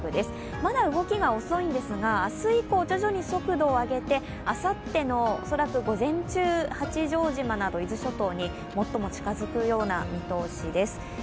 まだ動きが遅いんですが、明日以降、徐々に速度を上げてあさっての午前中、八丈島など伊豆諸島に最も近づくような見通しです。